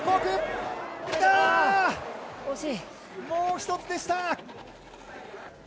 もうひとつでした！